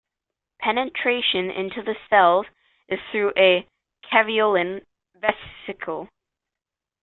Penetration into the cell is through a caveolin vesicle.